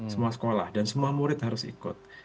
semua sekolah dan semua murid harus ikut